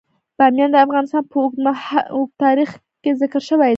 بامیان د افغانستان په اوږده تاریخ کې ذکر شوی دی.